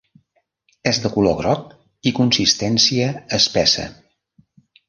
És de color groc i consistència espessa.